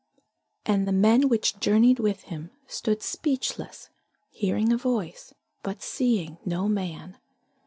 And the men which journeyed with him stood speechless, hearing a voice, but seeing no man.